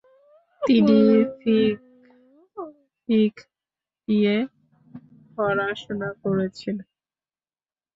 তিনি ফিকহ নিয়ে পড়াশোনা করেছেন।